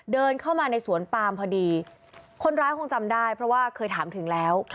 เดินเข้ามาในสวนปามพอดีคนร้ายคงจำได้เพราะว่าเคยถามถึงแล้ว